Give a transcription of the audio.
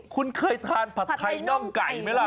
คุณเคยทานผัดไทยน่องไก่ไหมล่ะ